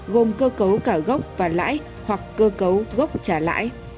gồm cơ cấu cả gốc và lãi hoặc cơ cấu gốc trả lãi